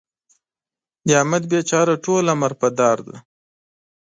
د احمد بېچاره ټول عمر په دار دی.